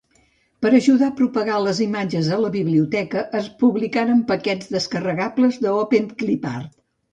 Per ajudar a propagar les imatges a la biblioteca, es publicaren paquets descarregables d'Openclipart.